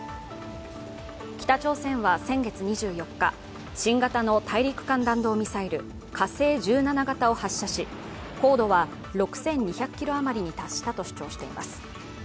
北朝鮮は先月２４日、新型の大陸間弾道ミサイル、火星１７型を発射し高度は６２００ｋｍ余りに達したと主張しています。